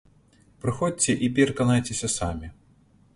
Прыходзьце і пераканайцеся самі!